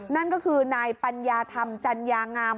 นั่นก็คือนายปัญญาธรรมจัญญางาม